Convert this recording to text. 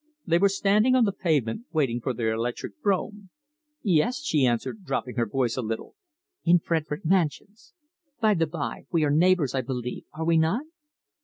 They were standing on the pavement, waiting for their electric brougham. "Yes!" she answered, dropping her voice a little, "in Frederic Mansions. By the bye, we are neighbours, I believe, are we not?"